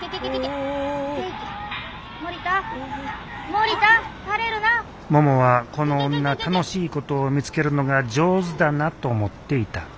ももはこの女楽しいことを見つけるのが上手だなと思っていた。